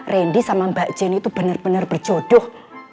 randy sama mbak jen itu bener bener berjodoh